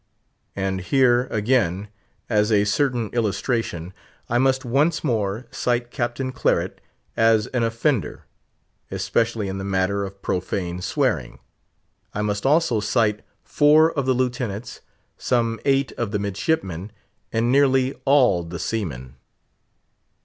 And here, again, as a certain illustration, I must once more cite Captain Claret as an offender, especially in the matter of profane swearing. I must also cite four of the lieutenants, some eight of the midshipmen, and nearly all the seamen.